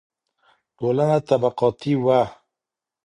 ټولنه طبقاتي وه.